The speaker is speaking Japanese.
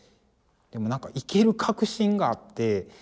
でもなんかイケる確信があって。